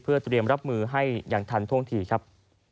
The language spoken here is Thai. เพื่อเตรียมรับมือให้อย่างทันท่วงทีครับ